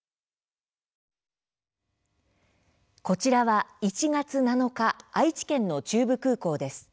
こちらは１月７日愛知県の中部空港です。